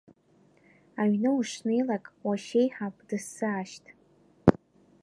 Аҩны ушнеилак, уашьеиҳаб дысзаашьҭ.